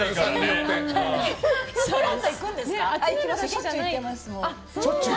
しょっちゅう行ってます。